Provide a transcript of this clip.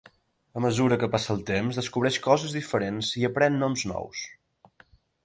A mesura que passa el temps descobreix coses diferents i aprèn noms nous.